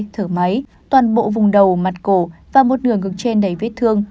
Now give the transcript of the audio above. thở máy toàn bộ vùng đầu mặt cổ và một đường ngực trên đầy vết thương